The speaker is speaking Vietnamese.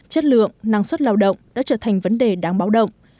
chất lượng năng suất lao động đã trở thành vấn đề đáng báo động